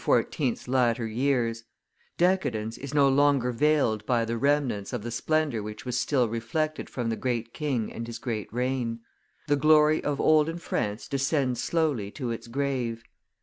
's latter years; decadence is no longer veiled by the remnants of the splendor which was still reflected from the great king and his great reign; the glory of olden France descends slowly to its grave.